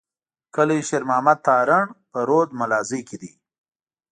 کلي شېر محمد تارڼ په رود ملازۍ کي دی.